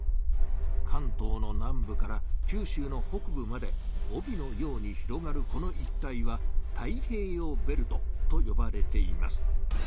かんとうの南部からきゅうしゅうの北部まで帯のように広がるこの一帯は「太平洋ベルト」とよばれています。